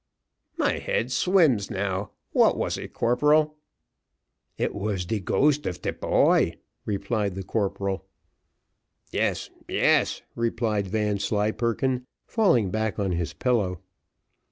"My head swims now; what was it, corporal?" "It was de ghost of de poy," replied the corporal. "Yes, yes," replied Vanslyperken, falling back on his pillow.